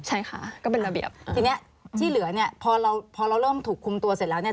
ทีนี้ที่เหลือพอเราเริ่มถูกคุมตัวเสร็จแล้ว